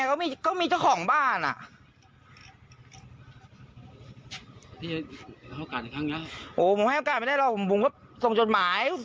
ผมไม่ให้โอกาสไม่ได้ผมก็ส่งจดหมาย